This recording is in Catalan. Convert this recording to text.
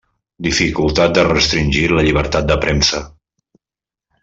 Dificultat de restringir la llibertat de premsa.